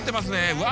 うわ。